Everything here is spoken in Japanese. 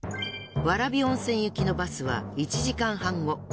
蕨温泉行きのバスは１時間半後。